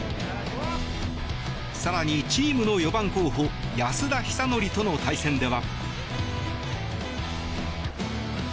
更に、チームの４番候補安田尚憲との対戦では。